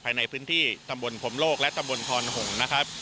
ภายในพื้นที่ตำบลพมโลกและตำบลพรหงษ์นะครับ